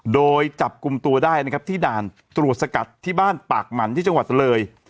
โดยจับกลุ่มตัวได้นะครับที่ด่านตรวจสกัดที่บ้านปากหมันที่จังหวัดเลย